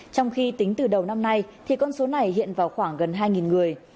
trong khi tính từ đầu năm nay thì con số này hiện vào khoảng gần hai người